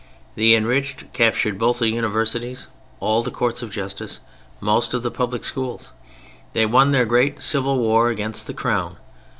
The enriched captured both the Universities, all the Courts of Justice, most of the public schools. They won their great civil war against the Crown.